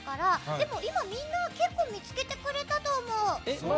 でも今、結構みんな見つけてくれたと思う。